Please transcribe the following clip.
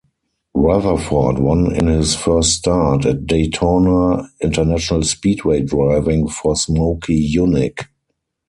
Rutherford won in his first start, at Daytona International Speedway driving for Smokey Yunick.